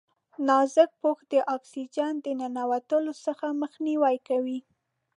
نازک پوښ د اکسیجن د ننوتلو څخه مخنیوی کوي.